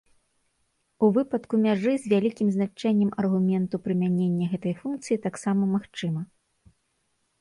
У выпадку мяжы з вялікім значэннем аргументу прымяненне гэтай функцыі таксама магчыма.